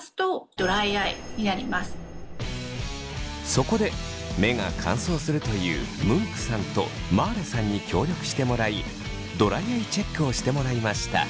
そこで目が乾燥するというムンクさんとまあれさんに協力してもらいドライアイチェックをしてもらいました。